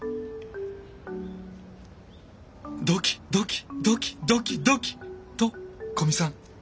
ドキドキドキドキドキと古見さん。